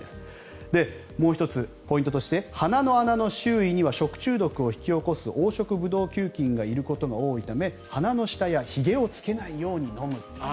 もう１つポイントとして鼻の穴の周囲には食中毒を引き起こす黄色ブドウ球菌がいることが多いため鼻の下やひげをつけないように飲む。